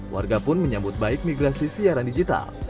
warga pun menyambut baik migrasi siaran digital